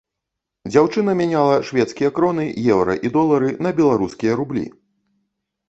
Дзяўчына мяняла шведскія кроны, еўра і долары на беларускія рублі.